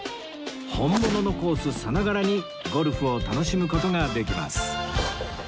本物のコースさながらにゴルフを楽しむ事ができます